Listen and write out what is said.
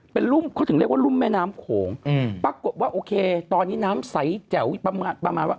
เป็นรุ่มเขาถึงเรียกว่ารุ่มแม่น้ำโขงปรากฏว่าโอเคตอนนี้น้ำใสแจ๋วประมาณประมาณว่า